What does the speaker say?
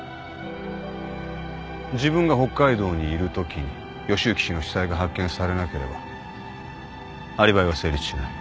自分が北海道にいるときに義之氏の死体が発見されなければアリバイは成立しない。